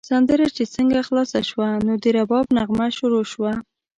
سندره چې څنګه خلاصه شوه، نو د رباب نغمه شروع شوه.